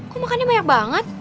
kok makannya banyak banget